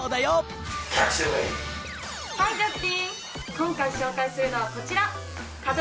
今回紹介するのはこちら。